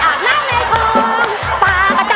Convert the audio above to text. ปากกระต่องแหลบบ้ำ